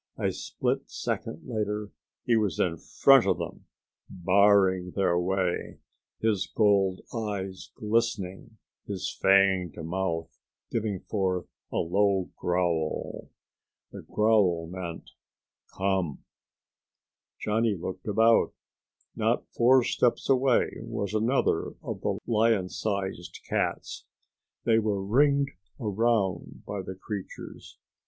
A split second later he was in front of them, barring their way, his gold eyes glistening, his fanged mouth giving forth a low growl. The growl meant, "Come." Johnny looked about. Not four steps away was another of the lion sized cats. They were ringed around by the creatures.